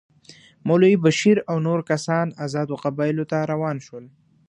مولوي بشیر او نور کسان آزادو قبایلو ته روان شول.